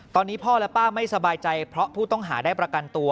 ตอนนี้พ่อและป้าไม่สบายใจเพราะผู้ต้องหาได้ประกันตัว